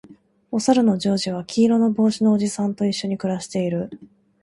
おさるのジョージは黄色の帽子のおじさんと一緒に暮らしている